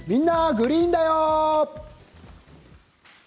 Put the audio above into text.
グリーンだよ」。